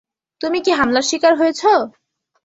তুমি কি হামলার শিকার হয়েছো?